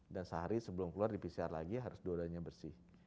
dan sehari sebelum keluar di pcr lagi harus doanya bersih